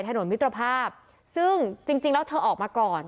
ถนนมิตรภาพซึ่งจริงแล้วเธอออกมาก่อน